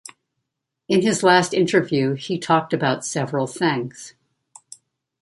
In his last interview he talked about several things.